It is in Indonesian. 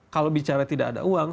kalau bicara tidak ada uang